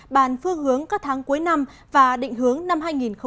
bàn phương hướng các tháng cuối năm và định hướng năm hai nghìn hai mươi